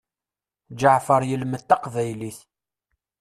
Ǧeɛfer yelmed taqbaylit.